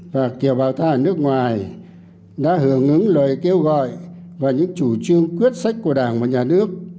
và kiều bào ta ở nước ngoài đã hưởng ứng lời kêu gọi và những chủ trương quyết sách của đảng và nhà nước